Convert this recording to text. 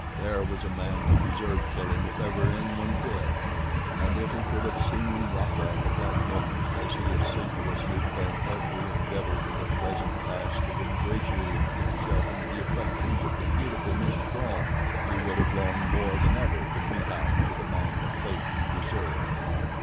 There was a man who deserved killing if ever any one did. And if he could have seen Rokoff at that moment as he assiduously bent every endeavor to the pleasant task of ingratiating himself into the affections of the beautiful Miss Strong, he would have longed more than ever to mete out to the man the fate he deserved.